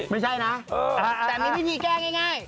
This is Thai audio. ไม่ใช่นะแต่มีที่แกล้งง่าย